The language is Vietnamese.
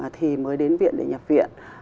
thì mới đến viện để nhập viện